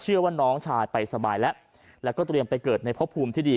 เชื่อว่าน้องชายไปสบายแล้วแล้วก็เตรียมไปเกิดในพบภูมิที่ดี